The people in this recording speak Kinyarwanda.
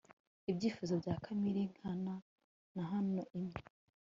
ibyifuzo bya kamere nkana; na hano imwe